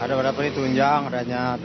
ada berapa nih tunjang adanya